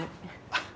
あっ。